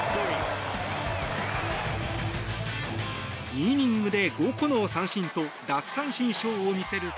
２イニングで５個の三振と奪三振ショーを見せると。